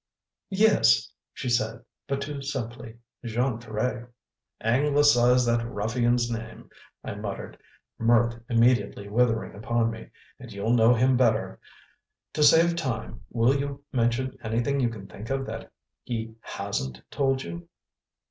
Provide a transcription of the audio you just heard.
"Yes," she said, but too simply. "Jean Ferret." "Anglicise that ruffian's name," I muttered, mirth immediately withering upon me, "and you'll know him better. To save time: will you mention anything you can think of that he HASN'T told you?"